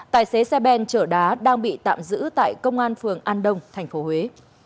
tài xế xe ben chở đá đang bị tạm giữ tại công an phường an đông thành phố huế